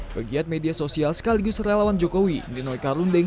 pegiat media sosial sekaligus relawan jokowi ninoi karundeng